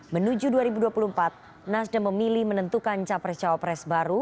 menuju dua ribu dua puluh empat nasdem memilih menentukan capres cawapres baru